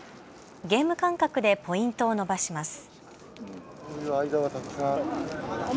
ゲーム感覚でポイントを伸ばします。